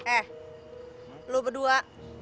eh lo berdua